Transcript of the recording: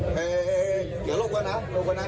ห้าหุ้นสามารถหาพวกมันเป็นพวกบริษัท